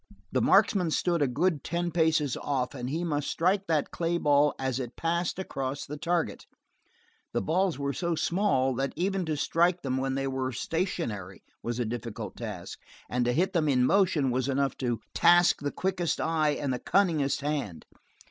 The marksman stood a good ten paces off, and he must strike that clay ball as it passed across the target. The balls were so small that even to strike them when they were stationary was a difficult task, and to hit them in motion was enough to task the quickest eye and the cunningest hand.